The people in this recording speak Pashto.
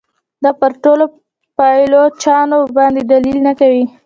دا پر ټولو پایلوچانو باندي دلالت نه کوي.